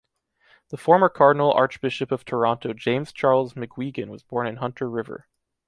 The former cardinal archbishop of Toronto James Charles McGuigan was born in Hunter River.